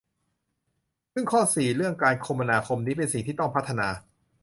ซึ่งข้อ สี่ เรื่องการคมนาคมนี้เป็นสิ่งที่ต้องพัฒนา